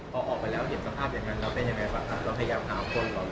พอออกไปแล้วเห็นสภาพอย่างงั้นแล้วไปยังไงบ้างครับ